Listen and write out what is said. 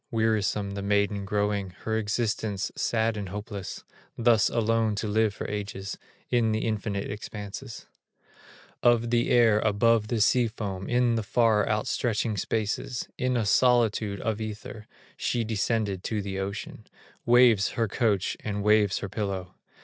Wearisome the maiden growing, Her existence sad and hopeless, Thus alone to live for ages In the infinite expanses Of the air above the sea foam, In the far outstretching spaces, In a solitude of ether, She descended to the ocean, Waves her coach, and waves her pillow.